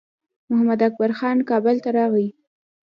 محمداکبر خان کابل ته راغی.